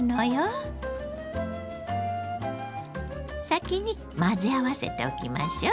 先に混ぜ合わせておきましょ。